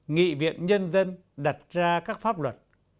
nghị viện nhân dân đặt ra các pháp luật